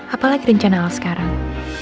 apalagi rencana al sekarang